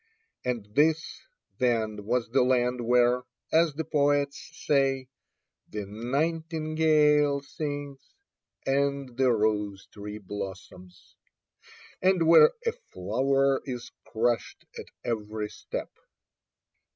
And this, then, was the land where, as the poets say, "the nightingale sings, and the rose tree blossoms," and where "a flower is crushed at every step!"